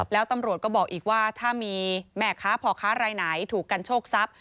แล้วตำรวจก็บอกอีกว่าถ้ามีแม่ค้าพ่อค้ารายไหนถูกกันโชคทรัพย